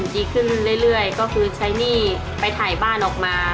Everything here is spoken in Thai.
ดีขึ้นเรื่อยก็คือใช้หนี้ไปถ่ายบ้านออกมา